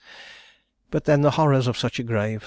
"But then the horrors of such a grave!